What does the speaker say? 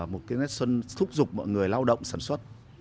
một cái nét xuân thúc giục mọi người lao động sản xuất